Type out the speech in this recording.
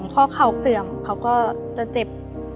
ข้อเข่าเสื่อมเขาก็จะเจ็บ